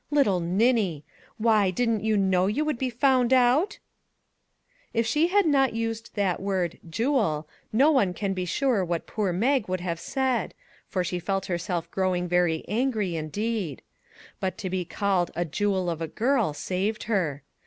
Little ninny ! Why, didn't you know you would be found out ?" If she had not used that word " jewel " no one can be sure what poor Mag would have said, for she felt herself growing very angry indeed. But to be called a " jewel of a girl " saved her.